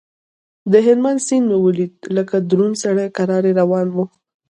د هلمند سيند مې وليد چې لکه دروند سړى کرار روان و.